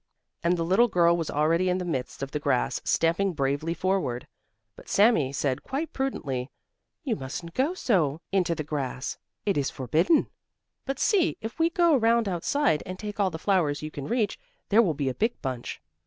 And the little girl was already in the midst of the grass, stamping bravely forward. But Sami said quite prudently: "You mustn't go so into the grass. It is forbidden. But see, if we go around outside and take all the flowers you can reach, there will be a big bunch."